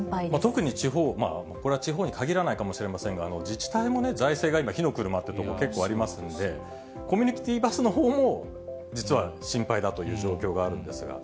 特に地方、これは地方に限らないかもしれませんが、自治体もね、財政が今、火の車ってとこ結構ありますんで、コミュニティーバスのほうも、実は心配だという状況があるんですが。